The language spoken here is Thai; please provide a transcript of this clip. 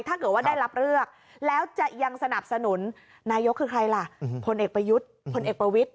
ถ้าเกิดว่าได้รับเลือกแล้วจะยังสนับสนุนนายกคือใครล่ะพลเอกประยุทธ์พลเอกประวิทธิ